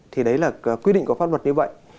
thì đấy là quy định của pháp luật như vậy